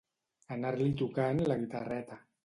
Anar-li tocant la guitarreta.